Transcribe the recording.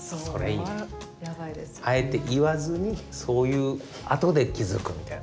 あえて言わずにそういうあとで気付くみたいな。